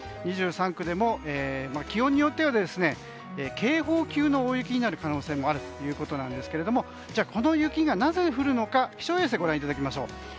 ２３区でも気温によっては警報級の大雪になる可能性があるということですがじゃあ、この雪がなぜ降るのか気象衛星をご覧ください。